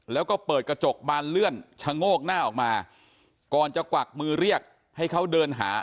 แล้วก็เปิดกระจกบานเลื่อนชะโงกหน้าออกมาก่อนจะกวักมือเรียกให้เขาเดินหา